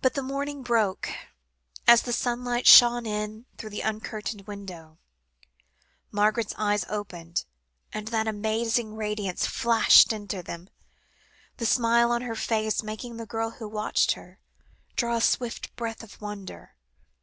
But as morning broke, as the sunlight shone in through the uncurtained window, Margaret's eyes opened, and that amazing radiance flashed into them, the smile on her face making the girl who watched her, draw a swift breath of wonder.